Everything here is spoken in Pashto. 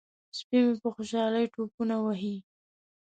سپی مې په خوشحالۍ ټوپونه وهي.